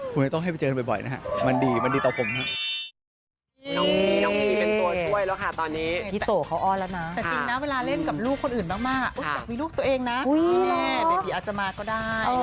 คุณไม่ต้องให้ไปเจอกันบ่อยนะฮะมันดีมันดีต่อผมนะ